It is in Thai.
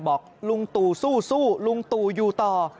บอกลุงตู่สู้ลุงตู่อยู่ต่อ